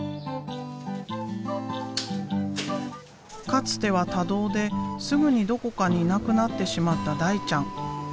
かつては多動ですぐにどこかにいなくなってしまった大ちゃん。